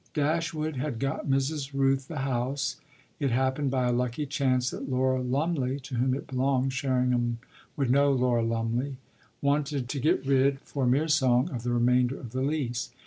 Dashwood had got Mrs. Rooth the house; it happened by a lucky chance that Laura Lumley, to whom it belonged Sherringham would know Laura Lumley? wanted to get rid, for a mere song, of the remainder of the lease.